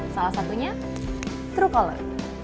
salah satunya truecaller